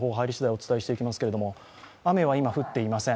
お伝えしていきますが、雨は今、降っていません。